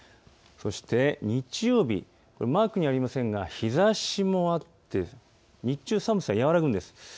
そして日曜日、マークにはありませんが日ざしもあって日中、寒さは和らぐんです。